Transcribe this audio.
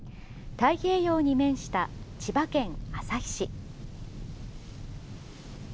太平洋に面した千葉県旭市。